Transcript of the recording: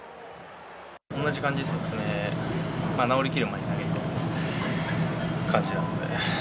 同じ感じですね、爪、治りきる前に投げた感じなので。